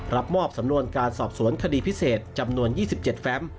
รับมอบสำนวนการสอบสวนคดีพิเศษจำนวน๒๗แฟม